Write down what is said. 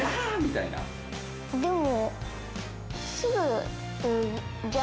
でも。